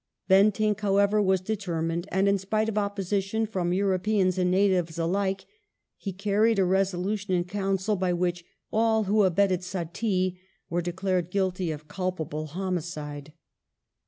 Bentinck, however, was determined, and, in spite of opposition from Euro peans and natives alike, he carried a resolution in Council, by whic^ " all who abetted Sati were declared guilty of culpable homicide